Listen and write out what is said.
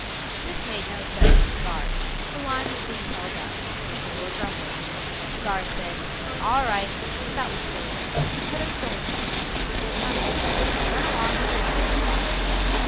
This made no sense to the guard. The line was being held up. People were grumbling. The guard said, "All right, but that was silly. You could have sold your position for good money. Run along with your mother and father."